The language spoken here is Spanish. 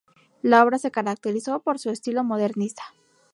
La obra se caracterizó por su estilo modernista.